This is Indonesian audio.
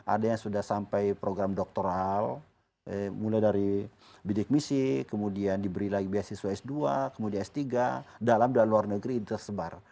ada yang sudah sampai program doktoral mulai dari bidik misi kemudian diberi lagi beasiswa s dua kemudian s tiga dalam dan luar negeri tersebar